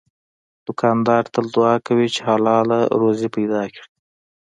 دوکاندار تل دعا کوي چې حلال روزي پیدا کړي.